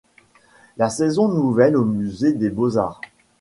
La saison nouvelle au Musée des Beaux-Arts.